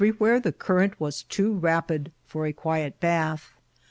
55 where the current was too rapid for a quiet bath.